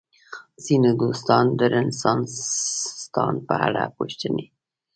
ځینو دوستانو د رنسانستان په اړه پوښتلي دي.